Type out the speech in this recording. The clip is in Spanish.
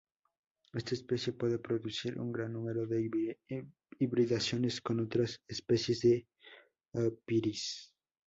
Esta especie puede producir un gran número de hibridaciones, con otras especies de "Ophrys".